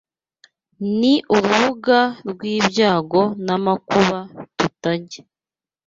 ni urubuga rw’ibyago n’amakuba tutajya